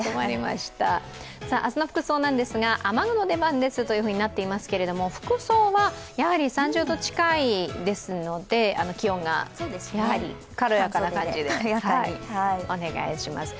明日の服装なんですが、雨具の出番ですとなっているんですが、服装はやはり３０度近いですので、半袖とか、軽やかな感じでお願いします。